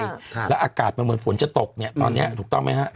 ค่ะแล้วอากาศมันเหมือนฝนจะตกเนี้ยตอนเนี้ยถูกต้องไหมฮะ